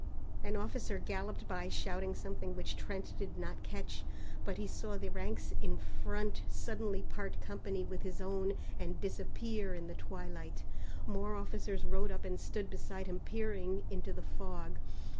An officer galloped by shouting something which Trent did not catch, but he saw the ranks in front suddenly part company with his own, and disappear in the twilight. More officers rode up and stood beside him peering into the fog.